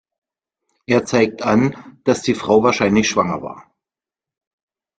Er zeigte an, dass die Frau wahrscheinlich schwanger war.